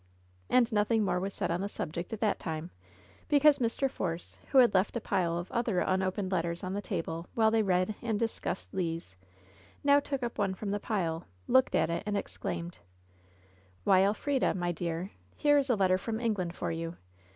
And nothing more was said on the subject at that time, because Mr. Force, who had left a pile of other imopened letters on the table while they read and dis cussed Le's, now took up one from the pile, looked at it, and exclaimed: "Why, Elfrida, my dear, here is a letter from Eng land for you.